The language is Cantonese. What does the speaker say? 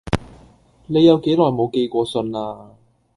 你有幾耐無寄過信啊